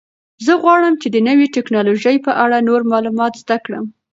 زه غواړم چې د نوې تکنالوژۍ په اړه نور معلومات زده کړم.